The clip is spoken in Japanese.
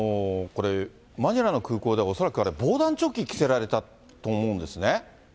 マニラの空港では恐らくあれ、防弾チョッキ着せられたと思うんですね。